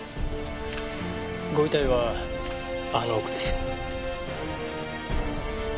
ご遺体はあの奥です。